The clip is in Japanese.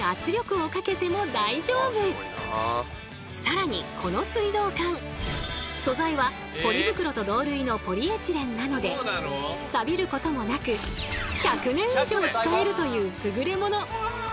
更にこの水道管素材はポリ袋と同類のポリエチレンなのでサビることもなく１００年以上使えるという優れもの。